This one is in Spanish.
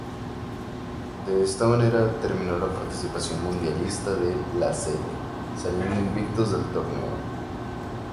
De esta manera, terminó la participación mundialista de la "Sele", saliendo invictos del torneo.